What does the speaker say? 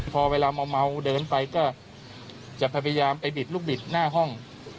พอเวลาเมาเดินไปก็จะพยายามไปบิดลูกบิดหน้าห้อง